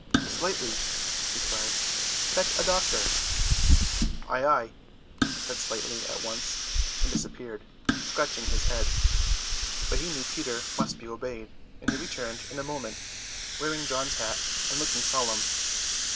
"Slightly," he cried, "fetch a doctor." "Ay, ay," said Slightly at once, and disappeared, scratching his head. But he knew Peter must be obeyed, and he returned in a moment, wearing John's hat and looking solemn.